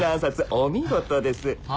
お見事ですは？